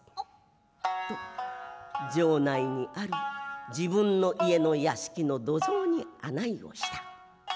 と城内にある自分の家の屋敷の土蔵に案内をした。